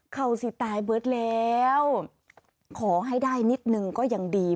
เขาสิตายเบิร์ตแล้วขอให้ได้นิดนึงก็ยังดี